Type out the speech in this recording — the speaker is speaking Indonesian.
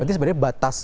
berarti sebenarnya batas